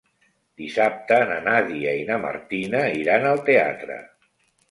Dissabte na Nàdia i na Martina iran al teatre.